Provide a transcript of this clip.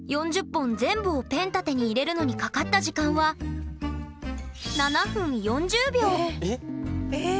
４０本全部をペン立てに入れるのにかかった時間はえ